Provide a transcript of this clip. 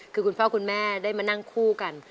คือคุณพ่อคุณแม่ได้มานั่งคู่กัน